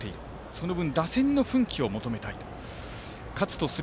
その分打線の奮起を求めたいと。